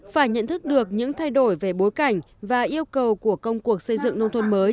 phải nhận thức được những thay đổi về bối cảnh và yêu cầu của công cuộc xây dựng nông thôn mới